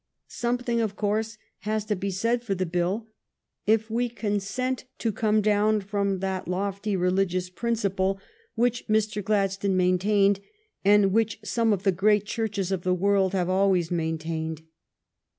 Something, of course, has to be said for the bill if we consent to come down from that lofty religious principle which Mr. Gladstone main tained, and which some of the great churches of the world have always maintained.